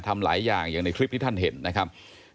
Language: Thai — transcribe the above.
ทำหลายอย่างอย่างในคลิปที่ท่านเห็นนะครับ